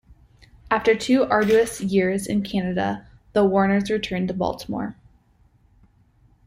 After two arduous years in Canada, the Warners returned to Baltimore.